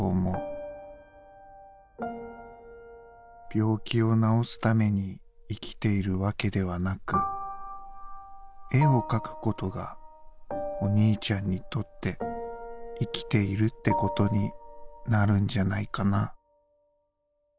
病気を治すために生きているわけではなく絵を描くことがお兄ちゃんにとって生きているってことになるんじゃないかな」。